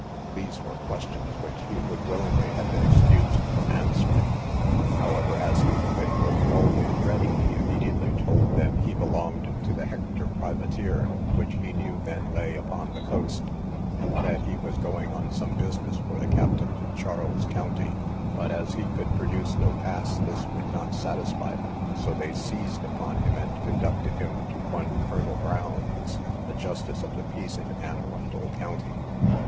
These were questions which he would willingly have been excused from answering; however, as his wit was always ready, he immediately told them he belonged to the Hector privateer, (which he knew then lay upon the coast,) and that he was going on some business for the captain to Charles' county:—but, as he could produce no pass, this would not satisfy them, so they seized upon him, and conducted him to one Colonel Brown's, a justice of the peace in Anne Arundel county.